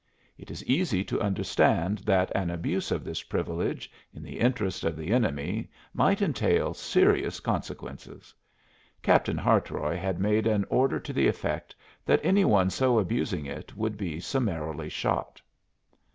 It is easy to understand that an abuse of this privilege in the interest of the enemy might entail serious consequences. Captain Hartroy had made an order to the effect that any one so abusing it would be summarily shot.